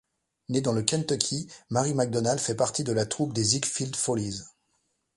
Née dans le Kentucky, Marie McDonald fait partie de la troupe des Ziegfeld Follies.